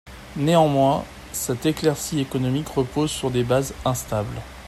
Néanmoins, cette éclaircie économique repose sur des bases instables.